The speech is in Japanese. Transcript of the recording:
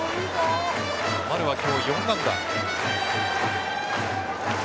丸は今日４安打。